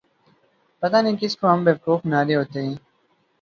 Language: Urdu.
پتہ نہیں کس کو ہم بے وقوف بنا رہے ہوتے ہیں۔